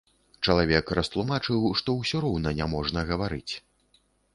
Чалавек растлумачыў, што ўсё роўна няможна гаварыць.